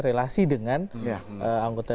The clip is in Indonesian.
relasi dengan anggota